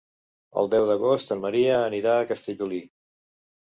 El deu d'agost en Maria anirà a Castellolí.